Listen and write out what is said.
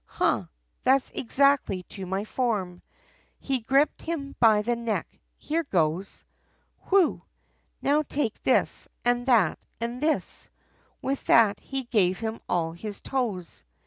"Ha! that's exactly to my form!" He gripped him by the neck, "Here goes! Whew! now take this! and that, and this," With that, he gave him all his toes.